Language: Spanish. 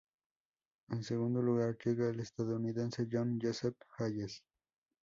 En segundo lugar llega el estadounidense John Joseph Hayes.